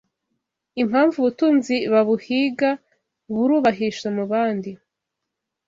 Impamvu Ubutunzi babuhiga burubahisha mubandi